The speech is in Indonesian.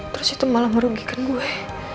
terus itu malah merugikan gue